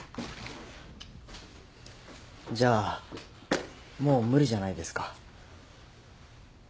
じゃあもう無理じゃないですか。